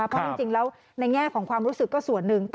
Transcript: เพราะจริงแล้วในแง่ของความรู้สึกก็ส่วนหนึ่ง